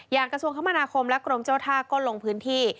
อย่างกระทรวงคมนาคมและกรมโจทธากลงพื้นที่